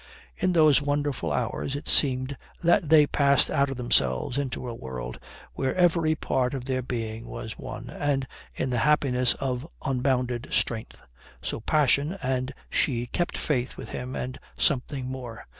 In those wonderful hours it seemed that they passed out of themselves into a world where every part of their being was one and in the happiness of unbounded strength. So passion and she kept faith with him and something more.